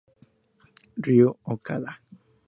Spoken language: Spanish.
Ryū Okada